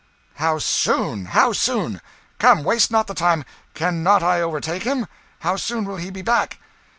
"How soon? How soon? Come, waste not the time cannot I overtake him? How soon will he be back?"